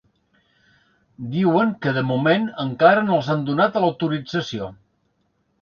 Diuen que de moment, encara no els han donat l’autorització.